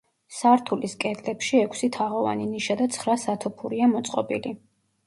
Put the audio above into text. სართულის კედლებში ექვსი თაღოვანი ნიშა და ცხრა სათოფურია მოწყობილი.